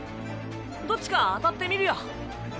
どっちか当たってみるよ。